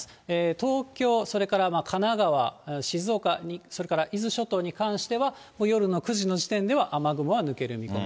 東京、それから神奈川、静岡、それから伊豆諸島に関しては、夜の９時の時点では雨雲は抜ける見込み。